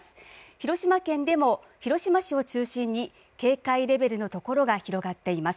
広島県でも広島市を中心に警戒レベルの所が広がっています。